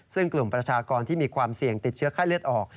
ซึ่งกลุ่มประชากรที่มีความเสี่ยงติดเชื้อไข้เลือดออก